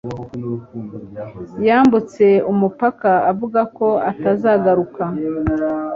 Yambutse umupaka avuga ko atazagaruka.